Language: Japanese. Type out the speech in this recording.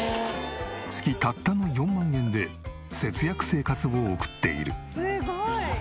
月たったの４万円で節約生活を送っている。